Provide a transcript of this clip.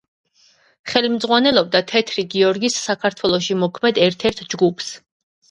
ხელმძღვანელობდა „თეთრი გიორგის“ საქართველოში მოქმედ ერთ-ერთ ჯგუფს.